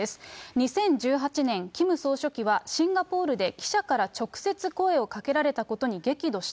２０１８年、キム総書記は、シンガポールで記者から直接声をかけられたことに激怒した。